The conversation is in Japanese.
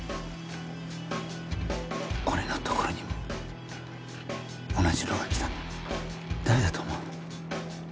俺のところにも同じのがきたんだ誰だと思う？